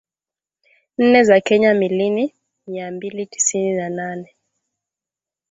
nne za Kenya milini miambili tisini na nane